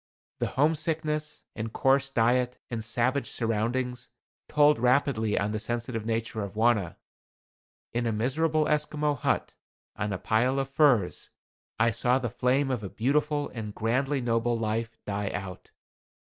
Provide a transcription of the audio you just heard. The homesickness, and coarse diet and savage surroundings told rapidly on the sensitive nature of Wauna. In a miserable Esquimaux hut, on a pile of furs, I saw the flame of a beautiful and grandly noble life die out.